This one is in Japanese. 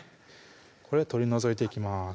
これを取り除いていきます